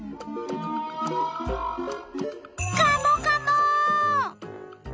カモカモ！